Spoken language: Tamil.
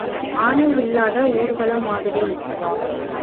ஆனை இல்லாத ஊர்வலம் மாதிரி.